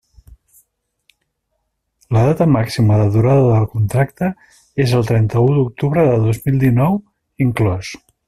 La data màxima de durada del contracte és el trenta-u d'octubre de dos mil dinou, inclòs.